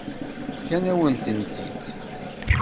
Fkan-awen-tent-id.